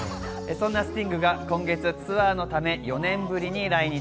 そんなスティングが今月ツアーのため、４年ぶりに来日。